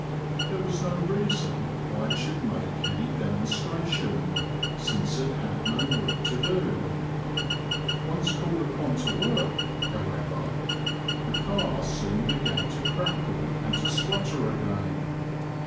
There was no reason why it should make any demonstration, since it had no work to do. Once called upon to work, however, the car soon began to crackle and to splutter again.